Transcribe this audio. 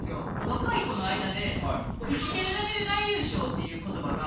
若い子の間で「生きてるだけで大優勝」っていう言葉が。